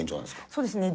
そうですね。